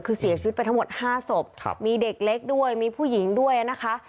คือเสียชีวิตไปทั้งหมด๕ศพมีเด็กเล็กด้วยมีผู้หญิงด้วยนะคะ